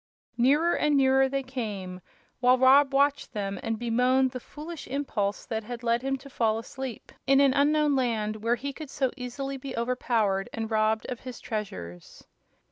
Nearer and nearer they came, while Rob watched them and bemoaned the foolish impulse that had led him to fall asleep in an unknown land where he could so easily be overpowered and robbed of his treasures.